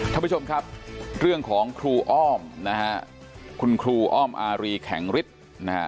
ท่านผู้ชมครับเรื่องของครูอ้อมนะฮะคุณครูอ้อมอารีแข็งฤทธิ์นะฮะ